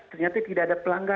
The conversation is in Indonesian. ternyata tidak ada pelanggaran